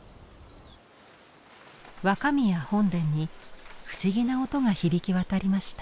若宮本殿に不思議な音が響き渡りました。